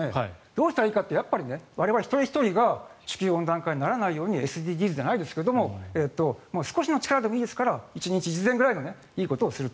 どうしたらいいか我々一人ひとりが地球温暖化にならないようにＳＤＧｓじゃないですが少しの力でもいいですから一日一善くらいのことをする。